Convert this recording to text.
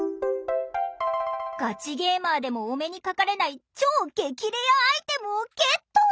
ガチゲーマーでもお目にかかれない超激レアアイテムをゲット！